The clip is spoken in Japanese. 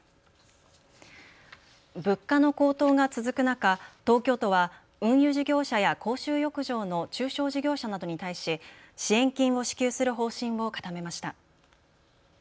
物価の高騰が続く中、東京都は運輸事業者や公衆浴場の中小事業者などに対し支援金を支給する方針を固めました。